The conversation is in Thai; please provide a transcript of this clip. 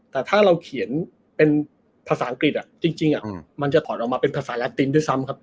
แต่ถ้าเราเขียนเป็นภาษาอังกฤษจริงมันจะถอดออกมาเป็นภาษาลาตินด้วยซ้ำครับ